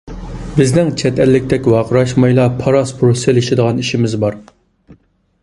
بىزنىڭ چەت ئەللىكتەك ۋارقىراشمايلا پاراس-پۇرۇس سېلىشىدىغان ئىشىمىز بار.